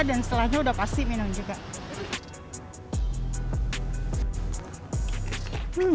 dan setelahnya udah pasti minum juga